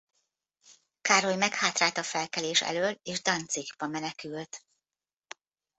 Károly meghátrált a felkelés elől és Danzigba menekült.